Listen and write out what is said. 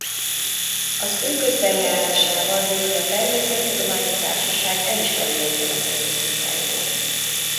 Az ő közbenjárásával végül a Természettudományi Társaság elismerően nyilatkozott munkáiról.